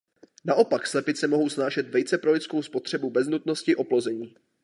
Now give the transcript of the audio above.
Naopak slepice mohou snášet vejce pro lidskou spotřebu bez nutnosti oplození.